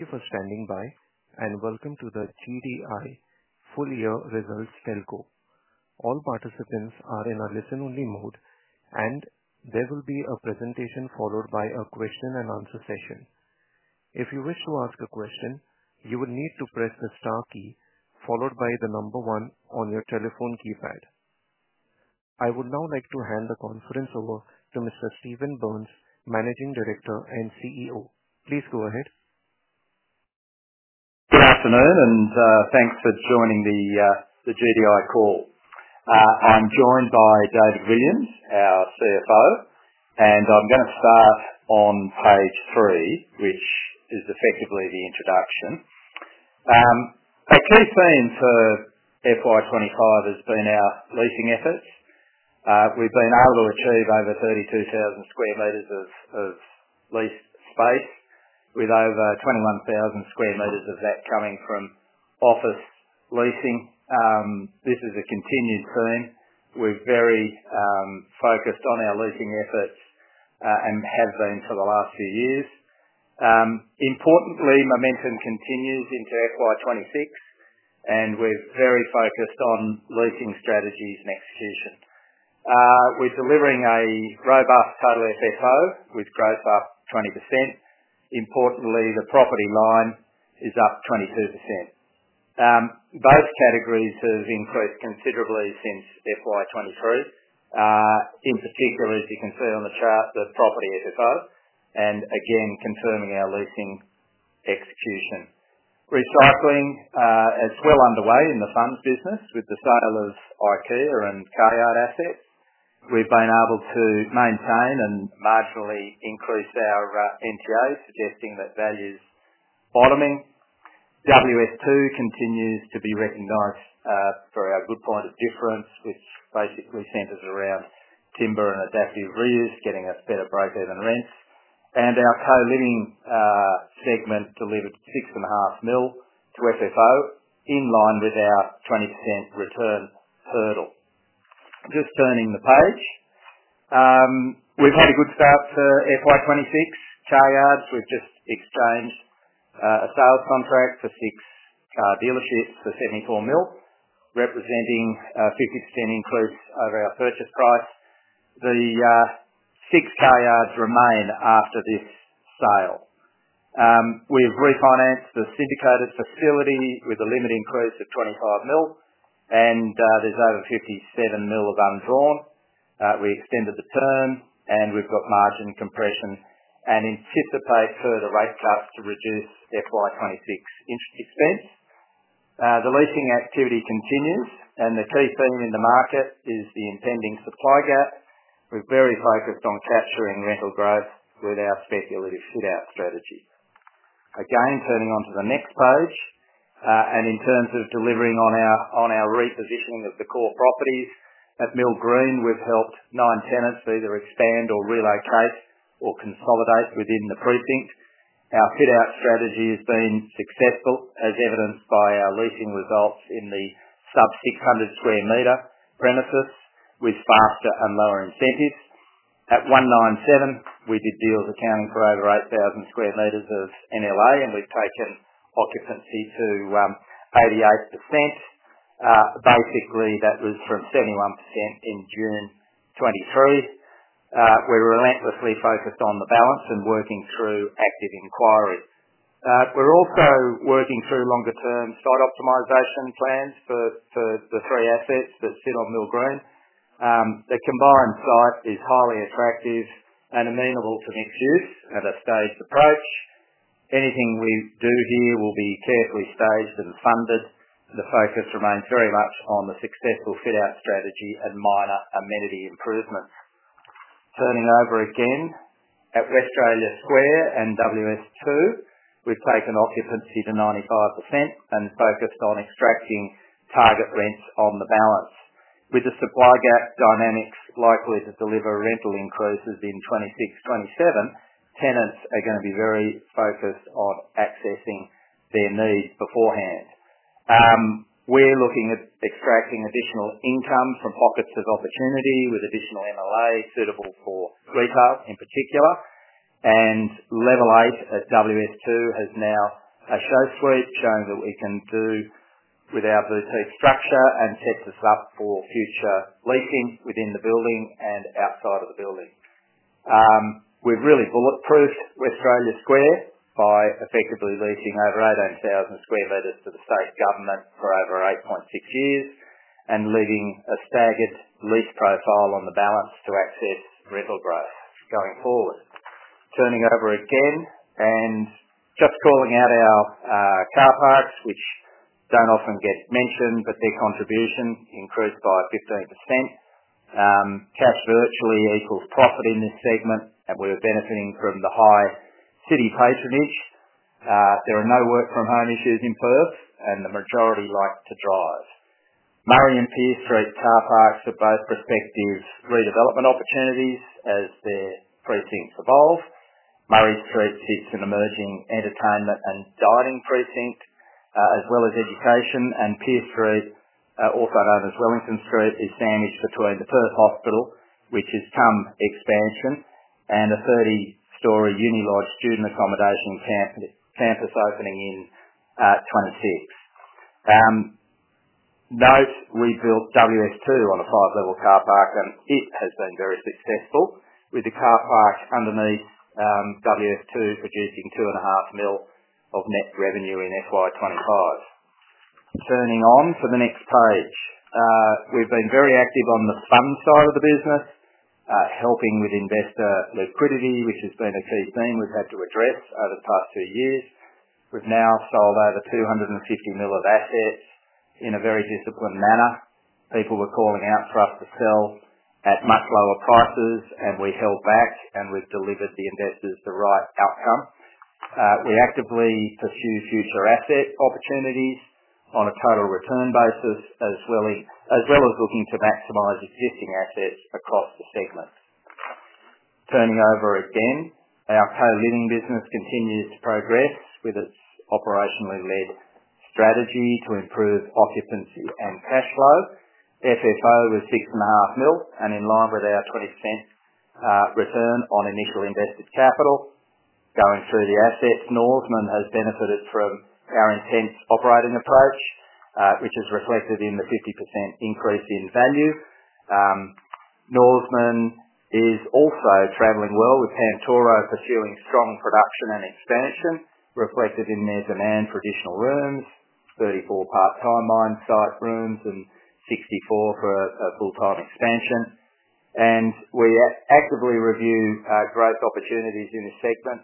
You're standing by and welcome to the GDI full-year results telco. All participants are in a listen-only mode, and there will be a presentation followed by a question and answer session. If you wish to ask a question, you will need to press the star key followed by the number one on your telephone keypad. I would now like to hand the conference over to Mr. Stephen Burns, Managing Director and CEO. Please go ahead. Good afternoon, and thanks for joining the GDI call. I'm joined by David Williams, our CFO, and I'm going to start on page three, which is effectively the introduction. Our key theme for FY 2025 has been our leasing efforts. We've been able to achieve over 32,000 sq meters of leased space with over 21,000 sq meters of that coming from office leasing. This is a continued theme. We're very focused on our leasing efforts and have been for the last few years. Importantly, momentum continues into FY 2026, and we're very focused on leasing strategies next season. We're delivering a robust total FFO, which drove up 20%. Importantly, the property line is up 22%. Both categories have increased considerably since FY 2023. In particular, as you can see on the chart, the property is above and again confirming our leasing execution. Recycling is well underway in the fund business with the sale of the Skyyards asset. We've been able to maintain and marginally increase our NTA, suggesting that value is bottoming. WS2 continues to be recognized for our good point of difference, which basically centers around timber and adaptive reuse, getting us better broker than rent. Our co-living segment delivered $6.5 million to FFO in line with our 20% return hurdle. Just turning the page, we've had a good start for FY 2026. Skyyards, we've just exchanged a sale contract for six dealerships for $74 million, representing 50% increase over our purchase price. The six Skyyards remain after this sale. We've refinanced the syndicated facility with a limit increase of $25 million, and there's over $57 million of undrawn. We extended the term, and we've got margin compression and anticipate further rate cuts to reduce FY 2026 interest expense. The leasing activity continues, and the key theme in the market is the impending supply gap. We're very focused on capturing rental growth with our speculative fit-out strategy. Again, turning onto the next page, and in terms of delivering on our repositioning of the core properties at Mill Green, we've helped nine tenants either expand or relocate or consolidate within the precinct, and our fit-out strategy has been successful, as evidenced by our leasing results in the sub-600 sq meter premises with faster and lower incentives. At 197, we did deals accounting for over 8,000 sq meters of NLA, and we've taken occupancy to 88%. Basically, that was from 71% in June 2023. We're relentlessly focused on the balance and working through active inquiry. We're also working through longer-term site optimization plans for the three assets that sit on Mill Green. The combined site is highly attractive and amenable to next use at a staged approach. Anything we do here will be carefully staged and funded. The focus remains very much on the successful fit-out strategy and minor amenity improvements. Turning over again, at Westralia Square and WS2, we've taken occupancy to 95% and focused on extracting target rents on the balance. With the supply gap dynamics likely to deliver rental increases in 2026-2027, tenants are going to be very focused on accessing their needs beforehand. We're looking at extracting additional income from pockets of opportunity with additional NLA suitable for retail in particular, and Level 8 at WS2 has now a code suite showing that we can do with our boutique structure and set this up for future leasing within the building and outside of the building. We're really bulletproofing Westralia Square by effectively leasing over 18,000 sq meters to the state government for over 8.6 years and leaving a staggered lease profile on the balance to access river growth going forward. Turning over again and just calling out our car parks, which don't often get mentioned, but their contribution increased by 15%. Categorically, equal profit in this segment, and we're benefiting from the high city patronage. There are no work-from-home issues in Perth, and the majority like to drive. Murray and Pierce Street are parked for both prospective redevelopment opportunities as their precincts evolve. Murray Street sits in emerging entertainment and dining precinct, as well as education, and Pierce Street, also known as Wellington Street, is damaged between the Perth Hospital, which has some expansion, and a 30-story UniLodge student accommodation campus opening in 2026. We built WS2 on a five-level car park, and it has been very successful with the car park underneath WS2 producing $2.5 million of net revenue in FY 2025. Turning on for the next page, we've been very active on the fund side of the business, helping with investor liquidity, which has been a key theme we've had to address over the past two years. We've now sold over $250 million of assets in a very disciplined manner. People were calling out for us to sell at much lower prices, and we held back and we've delivered the investors the right outcome. We actively pursue future asset opportunities on a total return basis, as well as looking to maximize existing assets across the segments. Turning over again, our co-living business continues to progress with it's operationally led strategy to improve occupancy and cash flow. FFO is $6.5 million and in line with our 20% return on initial invested capital. Going through the assets, Norseman has benefited from our intense operating approach, which is reflected in the 50% increase in value. Norseman is also traveling well, with Santoro pursuing strong production and expansion, reflected in their demand for additional rooms, 34 part-time mine site rooms, and 64 for a full-time expansion. We actively review growth opportunities in this segment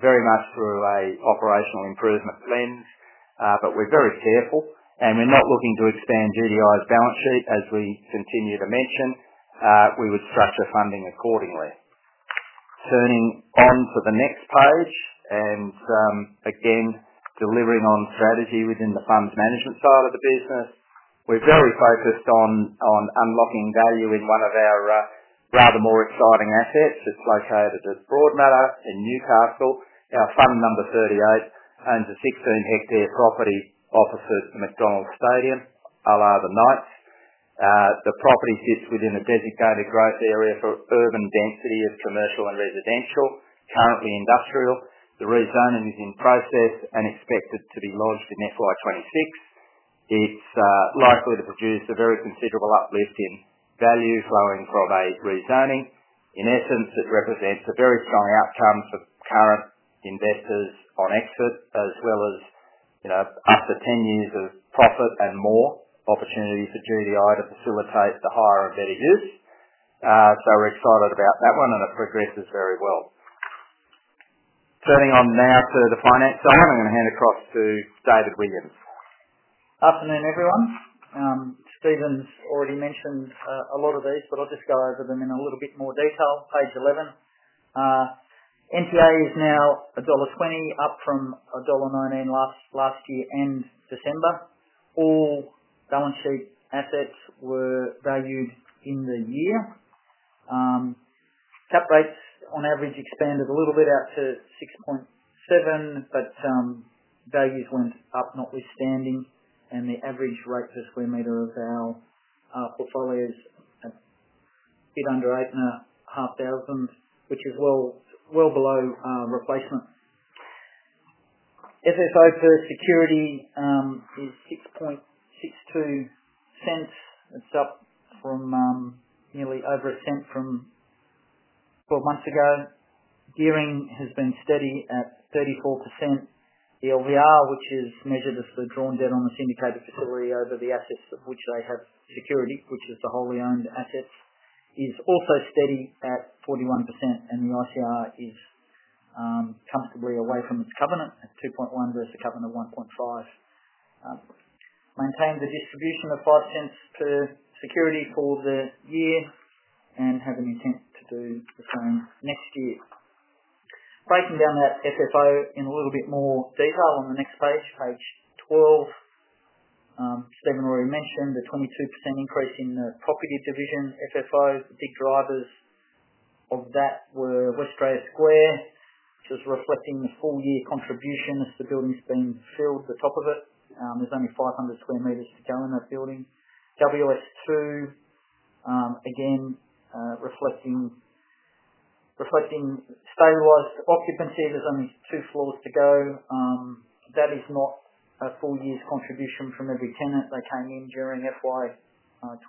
very much through an operational improvement lens, but we're very careful and we're not looking to expand GDI balance sheet. As we continue to mention, we would structure funding accordingly. Turning on to the next page and again delivering on strategy within the funds management side of the business, we're very focused on unlocking value in one of our rather more exciting assets that's located at Broadmeadow in Newcastle. Our fund member 38 owns a 16-hectare property opposite the McDonald's stadium, Allah the Knight. The property sits within a designated growth area for urban density of commercial and residential, currently industrial. The rezoning is in process and expected to be launched in FY 2026. It's likely to produce a very considerable uplift in value, lowering quality rezoning. In essence, it represents a very strong outcome for current investors on exit, as well as, you know, up to 10 years of profit and more opportunities for GDI to facilitate the hire of better use. We're excited about that one, and it progresses very well. Turning on now to the finance side, I'm going to hand it across to David Williams. Afternoon, everyone. Stephen's already mentioned a lot of these, but I'll just go over them in a little bit more detail. Page 11. NTA is now $1.20, up from $1.19 last year and December. All balance sheet assets were valued in the year. Cap rates on average expanded a little bit out to 6.7%, but values went up notwithstanding, and the average rate per square meter of our portfolios hit under [$8,500], which is well below replacement. FFO per security is $0.0662, a stop from nearly over a cent from 12 months ago. Gearing has been steady at 34%. The LVR, which is measured as the drawn debt on the syndicated facility over the assets of which they have security, which is the wholly owned assets, is also steady at 41%, and the ICR is comfortably away from its covenant at 2.1 versus the covenant of 1.5. Maintained the distribution of $0.05 per security for the year and has an intent to do the same next year. Breaking down that FFO in a little bit more detail on the next page, page 12, Stephen already mentioned the 22% increase in the property division FFOs. The big drivers of that were Westralia Square. It's reflecting the full-year contribution as the building's being filled to the top of it. There's only 500 sq meters to go in that building. WS2, again, reflecting stabilized occupancy; there's only two floors to go. That is not a full year's contribution from every tenant that came in during FY 2024,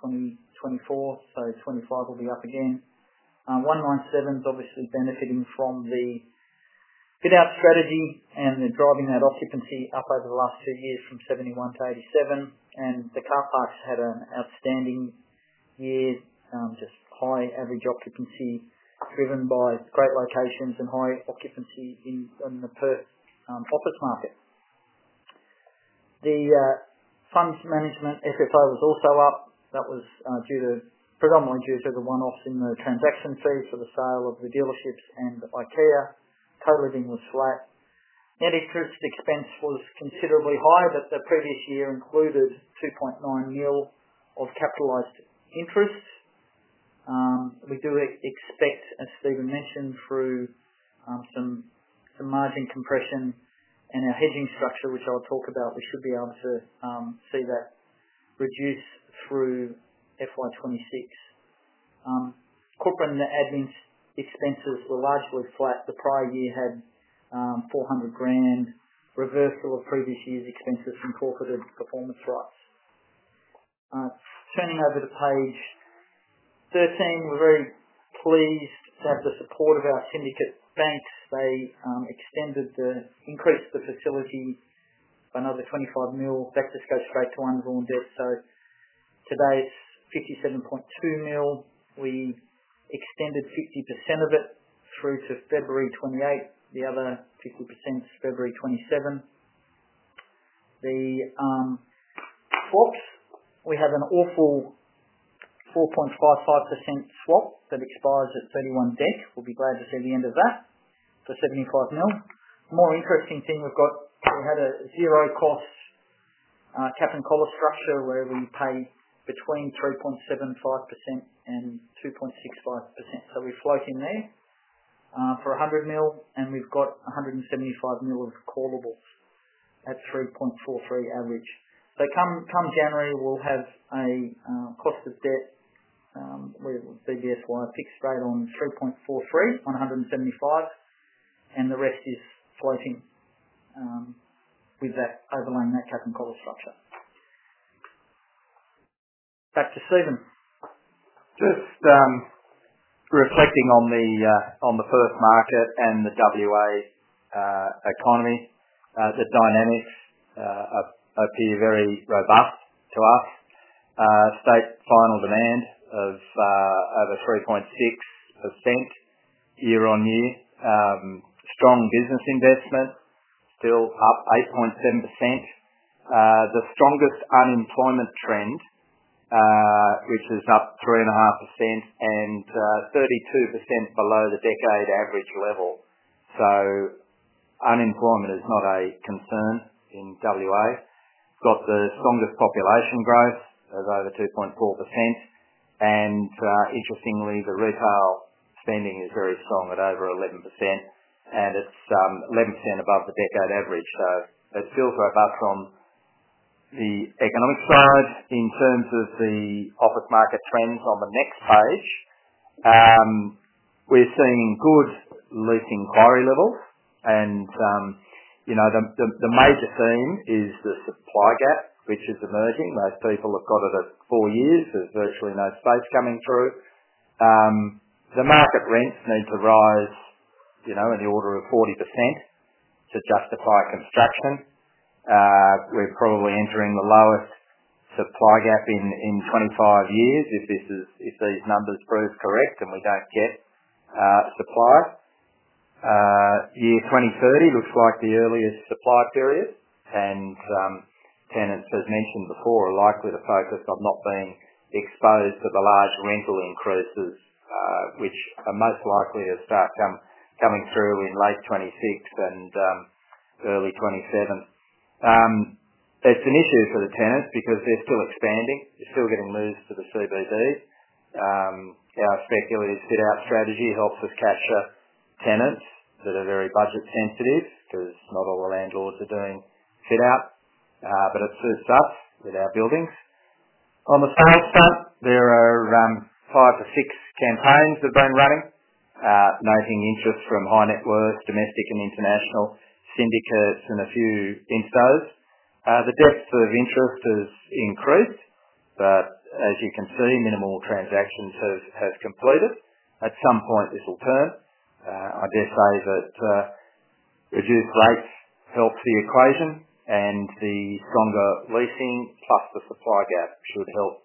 so 2025 will be up again. 197's obviously benefiting from the fit-out strategy, and they're driving that occupancy up over the last two years from 71%-87%. The car parks had an outstanding year, just high average occupancy driven by its great locations and high occupancy in the Perth office market. The funds management FFO was also up. That was predominantly due to the one-offs in the transaction fees for the sale of the dealerships and IKEA. Co-living was flat. The added cruciate expense was considerably high, but the previous year included $2.9 million of capitalized interest. We do expect, as Stephen mentioned, through some margin compression and our hedging structure, which I'll talk about, we should be able to see that reduce through FY 2026. Corporate and admin expenses were largely flat. The prior year had $400,000 reversal of previous year's expenses from corporate performance rates. Turning over to page 13, we're very pleased to have the support of our syndicate banks. They extended the increase to the facilities by another $25 million back to straight to undrawn debt. Today's $57.2 million. We've extended 60% of it through to February 2028. The other 50% is February 2027. The swap, we have an awful 4.55% swap that expires at 31 December. We'll be glad to see the end of that for $75 million. The more interesting thing we've got, we had a zero-cost cap and collar structure wherever you pay between 3.75% and 2.65%. We're floating these for $100 million, and we've got $175 million of callable at 3.43% average. Come January, we'll have a cost of debt where we'll see the FY pick straight on 3.43% on $175 million, and the rest is floating with that overlaying that cap and collar structure. Back to Stephen. Just reflecting on the Perth market and the WA economy, the dynamics appear very robust to us. State final demand of over 3.6% year-on-year. Strong business investment still up 8.7%. The strongest unemployment trend, which is up 3.5% and 32% below the decade average level. Unemployment is not a concern in WA. We've got the strongest population growth of over 2.4%. Interestingly, the retail spending is very strong at over 11%, and it's 11% above the decade average. It feels robust from the economic side. In terms of the office market trends on the next page, we're seeing good leasing inquiry levels. The major theme is the supply gap, which is emerging. Most people have got it at four years. There's virtually no space coming through. The market rents need to rise, in the order of 40% to justify construction. We're probably entering the lowest supply gap in 25 years if these numbers prove correct and we don't get supply. Year 2030 looks like the earliest supply period, and tenants, as mentioned before, are likely to focus on not being exposed to the large rental increases, which are most likely to start coming through in late '26 and early '27. It's an issue for the tenants because they're still expanding. They're still getting moved to the CBDs. Our speculative fit-out strategy helps us catch the tenants that are very budget sensitive because not all the landlords are doing fit-out, but it's first up in our buildings. On the sales front, there are five to six campaigns that have been running, noting interest from high net worth, domestic and international syndicates, and a few instos. The depth of interest has increased, but as you can see, minimal transactions have completed. At some point, this will turn. I dare say that reduced rates help the equation, and the stronger leasing plus the supply gap should help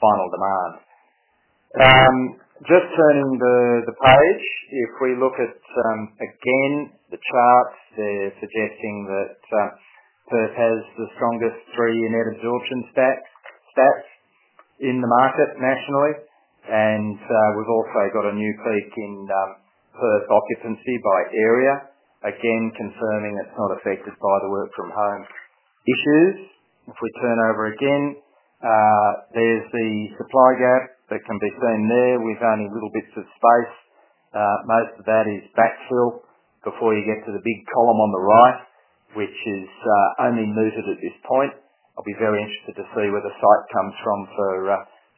final demand. Turning the page, if we look at, again, the charts, they're suggesting that Perth has the strongest three-year net absorption stats in the market nationally. We've also got a new peak in Perth occupancy by area, again, confirming it's not affected by the work-from-home issues. If we turn over again, there's the supply gap that can be seen there with only little bits of space. Most of that is backfill before you get to the big column on the right, which is only mooted at this point. I'll be very interested to see where the site comes from for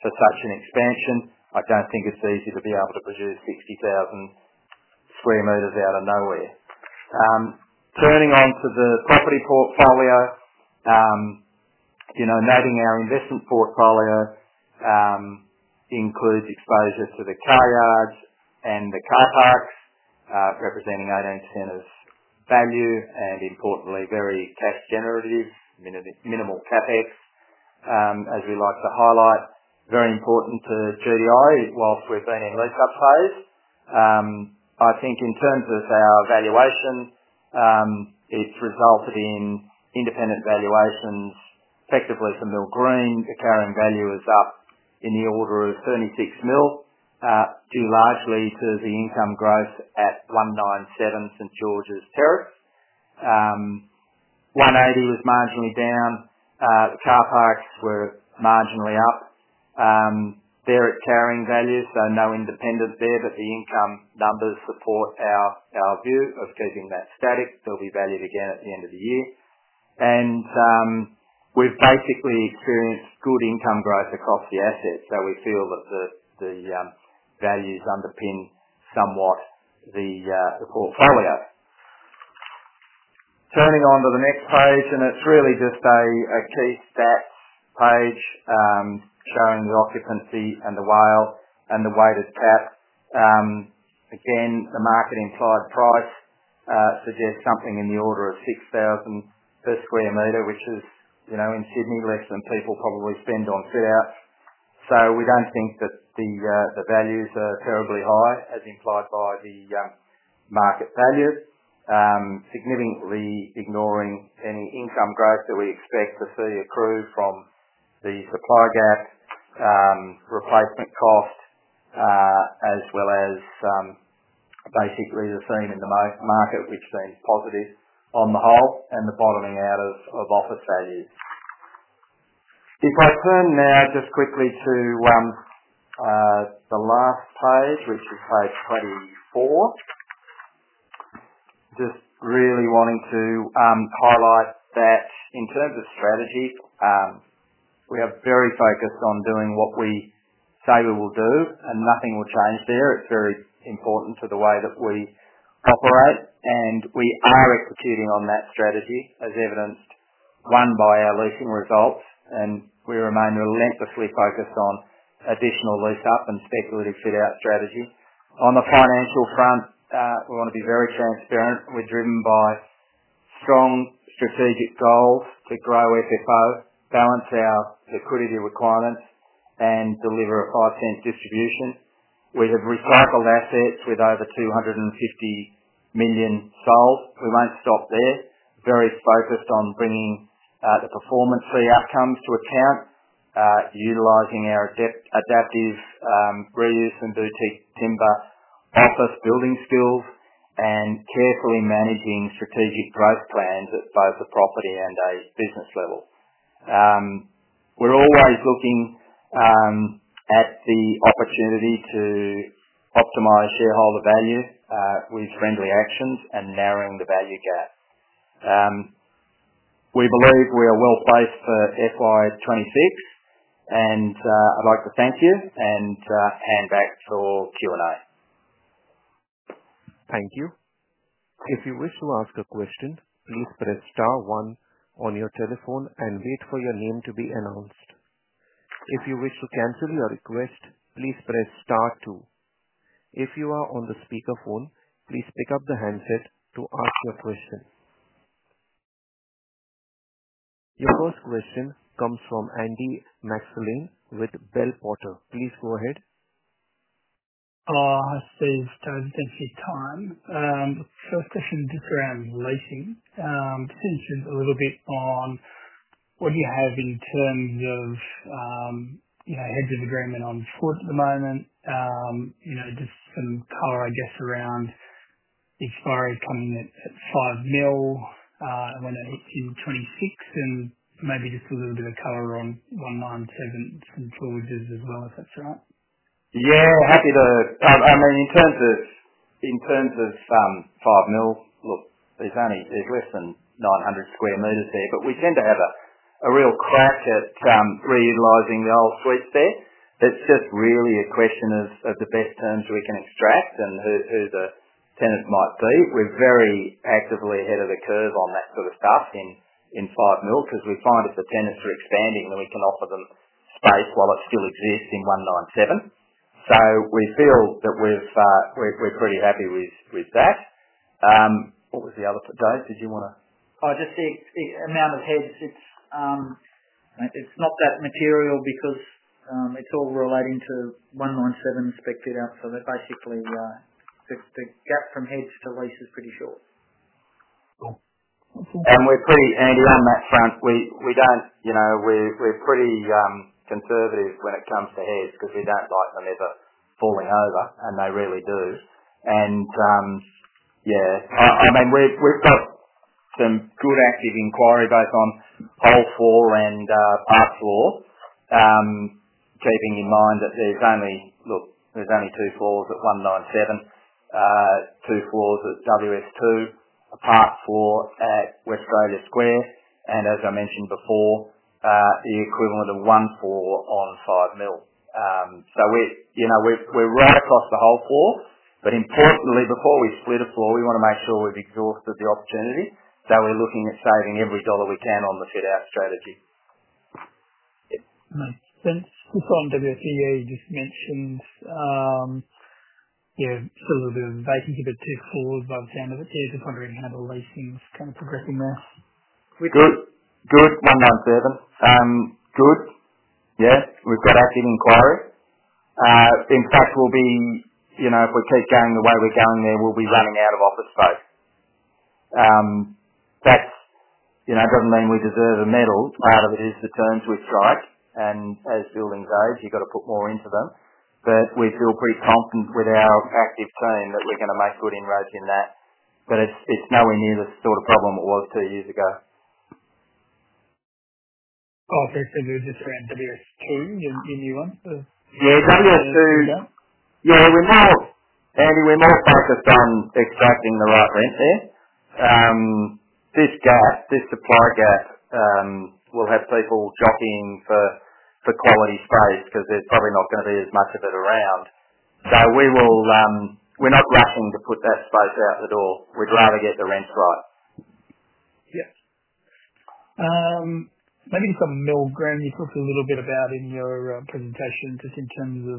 such an expansion. I don't think it's easy to be able to produce 60,000 sq meters out of nowhere. Turning on to the property portfolio, netting our investment portfolio includes exposure to the car yards and the car parks, representing 18 tenants' value and, importantly, very cash-generative, minimal CapEx, as we like to highlight. Very important to GDI whilst we're being in retail phase. I think in terms of our valuation, it's resulted in independent valuations, effectively for Mill Green. The carrying value is up in the order of $36 million, due largely to the income growth at 197 Georges Terrace. 180 was marginally down. The car parks were marginally up. They're at carrying values, though no independents there, but the income numbers support our view of keeping that static. They'll be valued again at the end of the year. We've basically experienced good income growth across the assets. We feel that the values underpin somewhat the portfolio. Turning on to the next page, it's really just a key stats page showing the occupancy and the Wale and the weighted cap. Again, the market inside price suggests something in the order of $6,000 per sq meter, which is, in Sydney, less than people probably spend on fit-out. We don't think that the values are terribly high, as implied by the market value, significantly ignoring any income growth that we expect to see accrue from the supply gap, replacement cost, as well as basically the theme in the most market, which seems positive on the whole and the bottoming out of office values. I think I'll turn now just quickly to the last page, which is page 24. Just really wanting to highlight that in terms of strategy, we are very focused on doing what we say we will do, and nothing will change there. It's very important to the way that we operate. We are executing on that strategy, as evidenced, one, by our leasing results. We remain relentlessly focused on additional lease-up and speculative fit-out strategy. On the financial front, we want to be very transparent. We're driven by a strong strategic goal to grow FFO, balance our liquidity requirements, and deliver high-tenanted distribution. We have recycled assets with over $250 million sold. We won't stop there. Very focused on bringing the performance-free outcomes to account, utilizing our adaptive reuse and boutique timber, outsource building skills, and carefully managing strategic growth plans at both the property and a business level. We're always looking at the opportunity to optimize shareholder value with friendly actions and narrowing the value gap. We believe we are well placed for FY 2026, and I'd like to thank you and hand back to all Q&A. Thank you. If you wish to ask a question, please press star one on your telephone and wait for your name to be announced. If you wish to cancel your request, please press star two. If you are on the speakerphone, please pick up the handset to ask your question. Your first question comes from Andy Maxwelline with Bellwater. Please go ahead. I see it's transiting through time. I've got some deeper analytics, which is a little bit on what do you have in terms of, you know, having an agreement on the foot at the moment. Just some color, I guess, around the inquiry coming at $5 million when it hits in 2026, and maybe just a little bit of color on 197 St Georges Terrace as well, if that's right. Yeah, I'm happy to. I mean, in terms of $5 million, look, there's only less than 900 sq meters here, but we tend to have a real crack at reutilizing the old fleets there. It's just really a question of the best terms we can extract and who the tenant might be. We're very actively ahead of the curve on that sort of stuff in $5 million because we find if the tenants are expanding, then we can offer them space while it still exists in 197. We feel that we're pretty happy with that. What was the other foot, James? Did you want to? I just think the amount of heads, it's not that material because it's all relating to 197 St Georges Terrace spec fit-out. They basically, the gap from hedge to lease is pretty short. Cool. We're pretty, Andy, on that front. We're pretty conservative when it comes to heads because we don't like them ever falling over, and they really do. We've got some good active inquiry both on whole floor and on the floor, keeping in mind that there's only, look, there's only two floors at 197, two floors at WS2, part floor at Westralia Square, and as I mentioned before, the equivalent of one floor on $5 million. We're right across the whole floor, but personally, before we split a floor, we want to make sure we've exhausted the opportunity. We're looking at saving every dollar we can on the fit-out strategy. On the call on WS2, it just mentions, yeah, a little bit of vacancy, but two floors above standard. I'm just wondering how the leasing is kind of progressing there. We're good, good, 197. Good. Yeah, we've got active inquiry. In fact, if we keep going the way we're going there, we'll be running out of office space. That doesn't mean we deserve a medal. Part of it is the terms we've signed, and as buildings age, you've got to put more into them. We feel pretty confident with our active saying that we're going to make good inroads in that. It's nowhere near the sort of problem it was two years ago. Oh, I think they're just saying WS2, you mean one? Yeah, WS2. Yeah. We are most focused on extracting the right rent there. This gap, this supply gap, will have people jumping for quality space because there's probably not going to be as much of it around. We are not rushing to put that space out the door. We'd rather get the rents right. Maybe some mill grain you talked a little bit about in your presentation just in terms of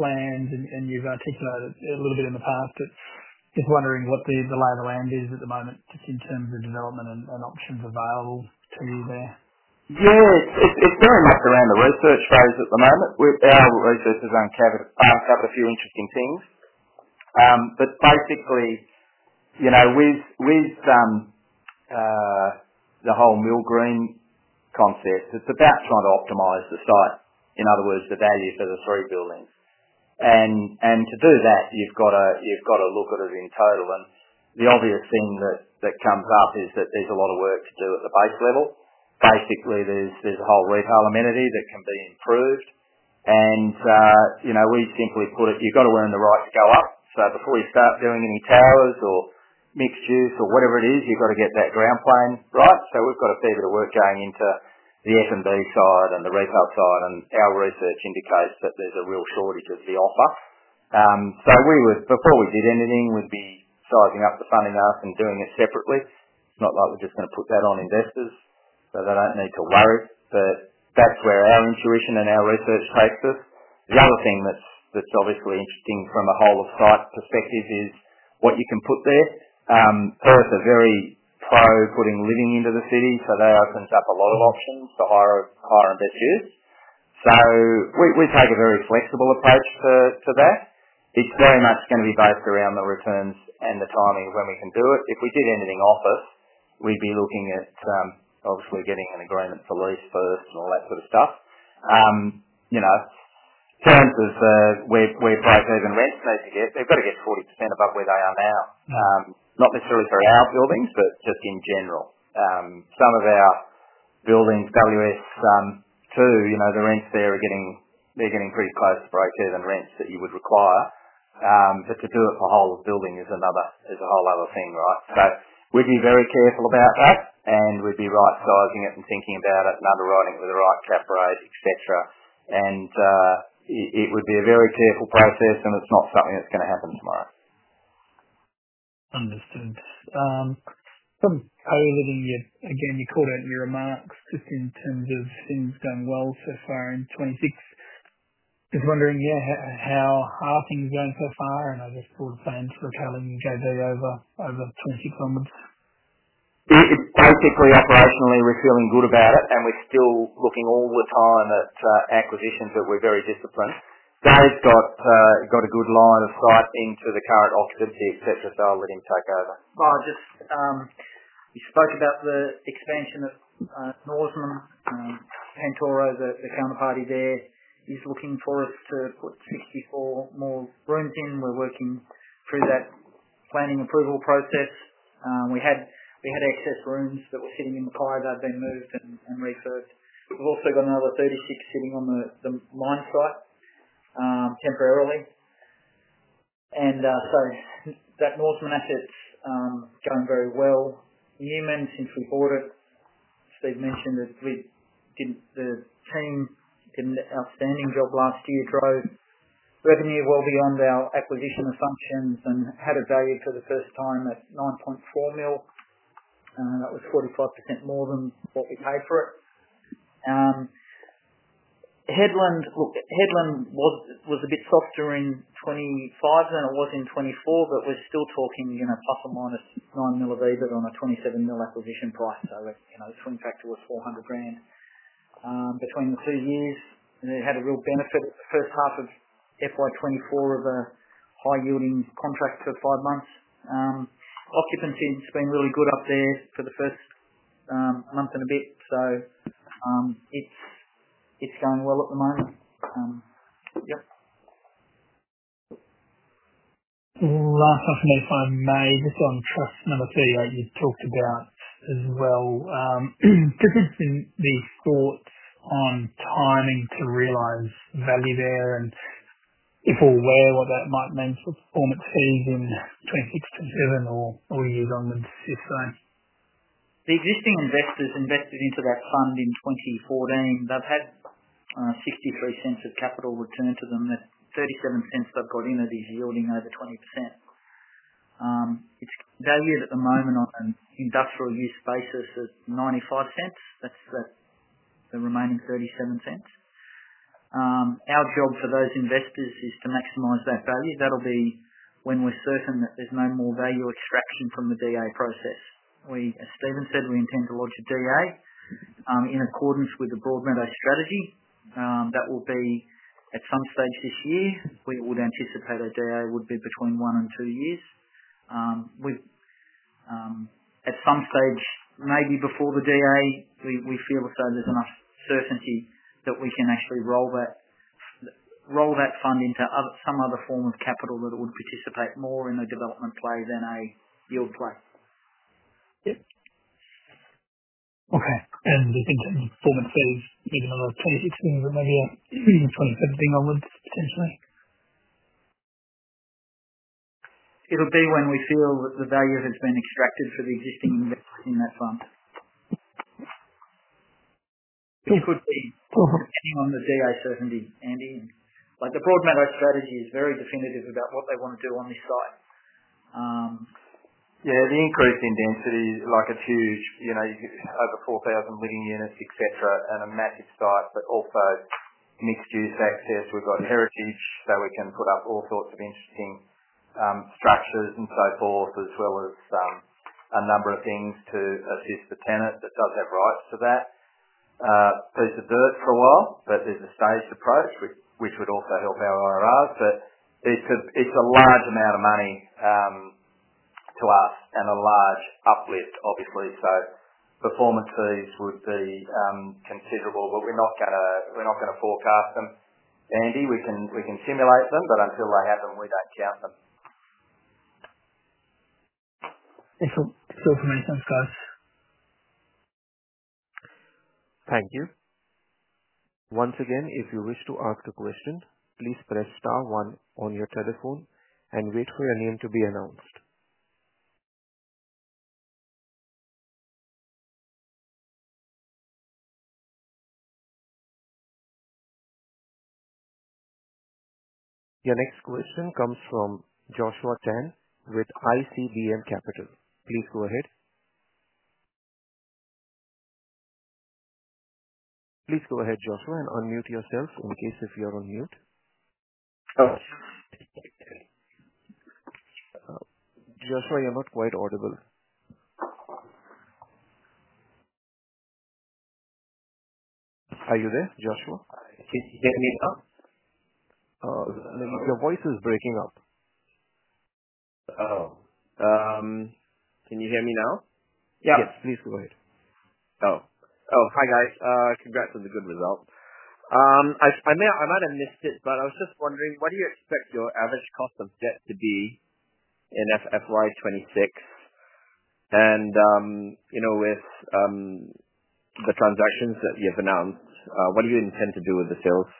land, and you've articulated a little bit in the past, but just wondering what the lay of the land is at the moment just in terms of development and options available to you there. Yeah, it's doing this around the research phase at the moment. Our research has uncovered a few interesting things. Basically, with the whole Mill Green concept, it's about trying to optimize the site, in other words, the value for the three buildings. To do that, you've got to look at it in total. The obvious thing that comes up is that there's a lot of work to do at the base level. Basically, there's a whole retail amenity that can be improved. We think if you put it, you've got to earn the right to go up. Before you start doing any towers or mixed use or whatever it is, you've got to get that ground plane right. We've got a fair bit of work going into the F&B side and the retail side, and our research indicates that there's a real shortage of the offer. Before we did anything, we'd be soaking up the funding and doing it separately. It's not like we're just going to put that on investors, so they don't need to worry. That's where our intuition and our research takes us. The other thing that's obviously interesting from a whole of site perspective is what you can put there. Perth is very pro putting living into the city, so that opens up a lot of options for higher investors. We take a very flexible approach to that. It's very much going to be based around the returns and the timing of when we can do it. If we did anything office, we'd be looking at obviously getting an agreement for lease first and all that sort of stuff. In terms of where places and rents need to get, they've got to get 40% above where they are now. Not necessarily for our buildings, but just in general. Some of our buildings, WS2, the rents there are getting pretty close to breakdown rents that you would require. To do it for a whole building is another, is a whole other thing, right? We'd be very careful about that, and we'd be right-sizing it and thinking about it and underwriting it with the right cap rate, etc. It would be a very careful process, and it's not something that's going to happen tomorrow. Understood. From how we're living here, you called out your remarks just in terms of things done well so far in 2026. Just wondering, how are things going so far? I guess for the plans for a couple of years as they're over 20 km It's basically our dazzling. We're feeling good about it, and we're still looking all the time at acquisitions, but we're very disciplined. David's got a good line of sight into the current occupancy, excessive dilating takeover. You spoke about the expansion of Norseman. Santoro, the counterparty there, is looking for us to put 64 more rooms in. We're working through that planning approval process. We had excess rooms that were sitting in the pile that had been moved and refurbished. We've also got another 36 sitting on the line site, temporarily. That Norseman asset's going very well. Newman, since we bought it, Steve mentioned that we didn't, the team did an outstanding job last year, drove revenue well beyond our acquisition assumptions and had a value for the first time at $9.4 million. That was 45% more than what we paid for it. Headland was a bit softer in 2025 than it was in 2024, but we're still talking, you know, plus or -$9 million of EBIT on a $27 million acquisition price. So it's 20 factor with $400,000 between the two years. They had a real benefit the first half of FY 2024 of a high-yielding contract for five months. Occupancy has been really good up there for the first month and a bit. It's going well at the moment. Yep. Last question, if I may, just on Fund 38 you've talked about as well. Just interested in the thought on timing to realize value there and if or where what that might mean for performance fees in 2027 or years onwards, if so. The existing investors invested into our fund in 2014. They've had $0.53 of capital return to them. That's $0.37 they've got in, and it is yielding over 20%. It's valued at the moment on an industrial use basis at $0.95. That's the remaining $0.37. Our job for those investors is to maximize that value. That'll be when we're certain that there's no more value extraction from the DA process. We, as Stephen said, intend to launch a DA in accordance with the Broadmeadow strategy. That will be at some stage this year. We would anticipate a DA would be between one and two years. At some stage, maybe before the DA, we feel as though there's enough certainty that we can actually roll that fund into some other form of capital that it would participate more in a development play than a yield growth. Okay. We think performance fees, even though it's 2016, but maybe even 2017 onwards, would you say? It'll be when we feel that the value has been extracted for the existing investors in that fund. So good. On the DA certainty, Andy, the Broadmeadow strategy is very definitive about what they want to do on this site. Yeah, the increase in density, like it's huge, you know, you could over 4,000 living units, etc., and a massive site, but also mixed-use access. We've got heritage, so we can put up all sorts of interesting structures and so forth, as well as a number of things to assist the tenant that does have rights to that piece of dirt for a while. There's a staged approach, which would also help our RRRs. It's a large amount of money to us and a large uplift, obviously. Performance fees would be considerable, but we're not going to forecast them. Andy, we can simulate them, but until they happen, we don't count them. Excellent. Still coming from the side. Thank you. Once again, if you wish to ask a question, please press star one on your telephone and wait for your name to be announced. Your next question comes from Joshua Chan with ICBM Capital. Please go ahead. Please go ahead, Joshua, and unmute yourself in case you're on mute. Joshua, you're not quite audible. Are you there, Joshua? Can you hear me? Your voice is breaking up. Can you hear me now? Yeah. Yes, please go ahead. Hi guys. Congrats on the good result. I might have missed it, but I was just wondering, what do you expect your average cost of debt to be in FY2026? With the transactions that you've announced, what do you intend to do with the sales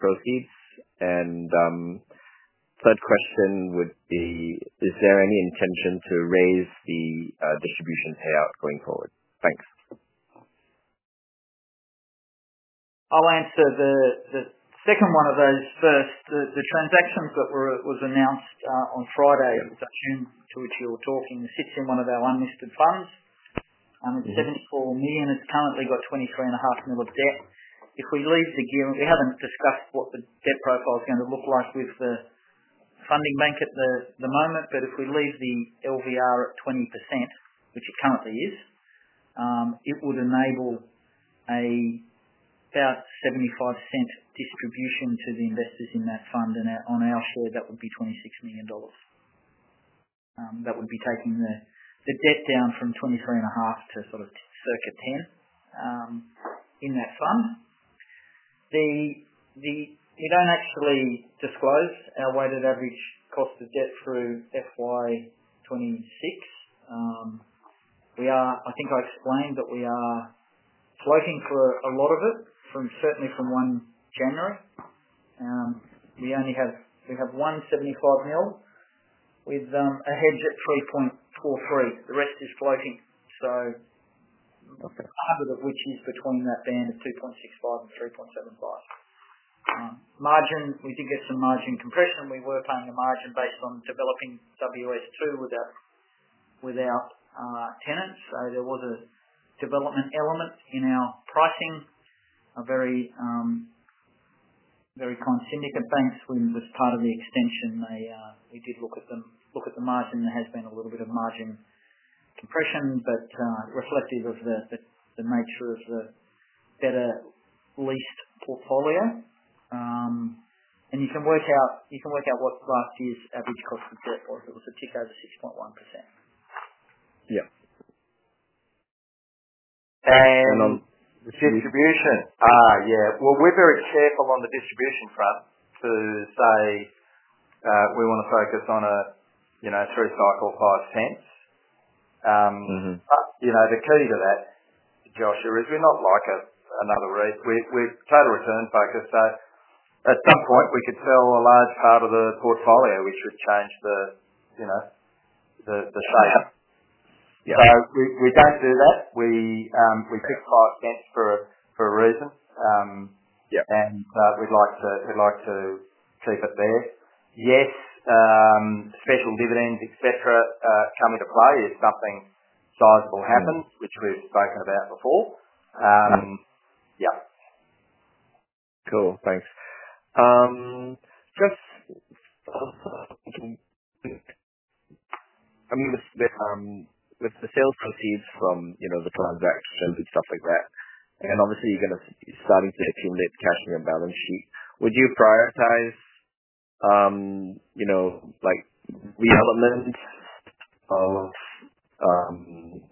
proceeds? The third question would be, is there any intention to raise the distribution payout going forward? Thanks. I'll answer the second one of those first. The transaction that was announced on Friday, it was that June's which you were talking in, you're sitting in one of our unlisted funds. It's $74 million. It's currently got $23.5 million of debt. If we leave the gearing, we haven't discussed what the debt profile is going to look like with the funding bank at the moment. If we leave the LVR at 20%, which it currently is, it would enable about 75% distribution to the investors in that fund. On our floor, that would be $26 million. That would be taking the debt down from $23.5 million to sort of circa $10 million in that fund. You don't actually disclose our weighted average cost of debt through FY 2026. I think I explained that we are floating for a lot of it, certainly from January 1. We only have, we have $175 million with a hedge at 3.43%. The rest is floating, so the target of which is between that band of 2.65% and 3.75%. We did get some margin compression, and we were planning a margin based on developing WS2 with our tenants. There was a development element in our pricing. A very kind syndicate banks, when it was part of the extension, they did look at the margin. There has been a little bit of margin compression, but reflective of the nature of the better lease portfolio. You can work out what last year's average cost of debt was. It was a tick over 6.1%. Yeah. The distribution. Yeah. We're very careful on the distribution front to say we want to focus on a, you know, three cycle five-tenths. The key to that, Joshua, is we're not like another REIT. We're kind of return-focused, so at some point, we could sell a large part of the portfolio. We've just changed the, you know, the sale. We don't do that. We pick five-tenths for a reason. We'd like to keep it there. Yes, special dividends, etc., come into play if something sizable happens, which we've spoken about before. Yeah. Cool. Thanks. I'm going to. With the sales proceeds from the transactions, it's something that, and obviously, you're starting to accumulate cash in your balance sheet. Would you prioritize, you know, like realignment of doing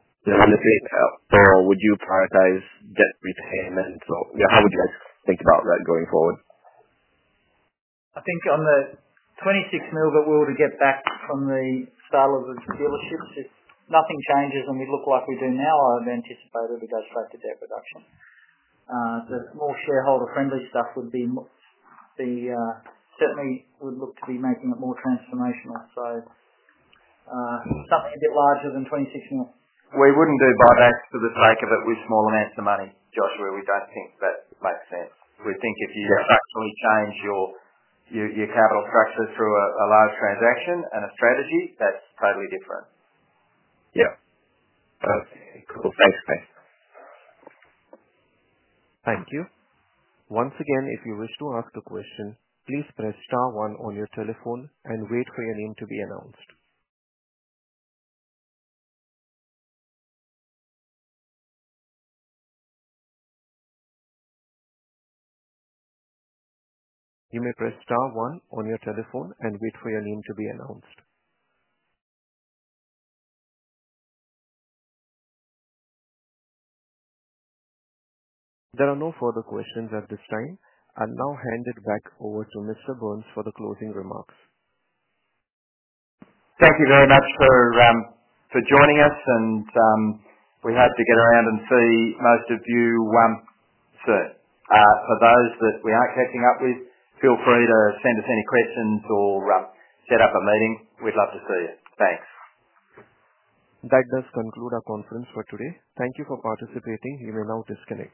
the fit-out, or would you prioritize debt repayment? Or, you know, how would you think about that going forward? I think on the $26 million, but we ought to get back on the style of the dealership. If nothing changes and we look like we do now, I would anticipate it would go straight to debt reduction. The more shareholder-friendly stuff would be more, certainly would look to be making it more transformational. Something a bit larger than $26 million. We wouldn't do buybacks for the sake of it with small amounts of money, Joshua. We don't think that makes sense. We think if you factually change your capital structure through a large transaction and a strategy, that's totally different. Yeah. Okay. Cool. Thanks. Thank you. Once again, if you wish to ask a question, please press star one on your telephone and wait for your name to be announced. You may press star one on your telephone and wait for your name to be announced. There are no further questions at this time. I'll now hand it back over to Mr. Burns for the closing remarks. Thank you very much for joining us. We had to get around and see most of you. For those that we aren't catching up with, feel free to send us any questions or set up a meeting. We'd love to see you. Thanks. That does conclude our conference for today. Thank you for participating. You will now disconnect.